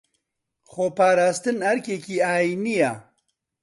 خۆپاراستن ئەرکێکی ئاینییە